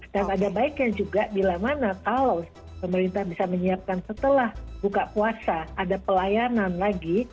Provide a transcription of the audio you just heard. dan ada baiknya juga bila mana kalau pemerintah bisa menyiapkan setelah buka puasa ada pelayanan lagi